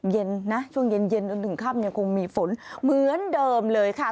เย็นนะช่วงเย็นจนถึงค่ำยังคงมีฝนเหมือนเดิมเลยค่ะ